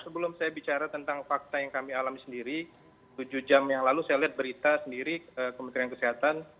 sebelum saya bicara tentang fakta yang kami alami sendiri tujuh jam yang lalu saya lihat berita sendiri kementerian kesehatan